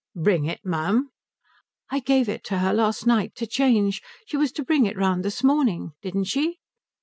"Bring it, ma'am?" "I gave it to her last night to change. She was to bring it round this morning. Didn't she?"